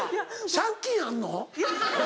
借金あんの？